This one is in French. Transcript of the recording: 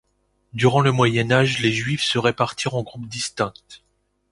Durant le Moyen Âge, les Juifs se répartirent en groupes distincts.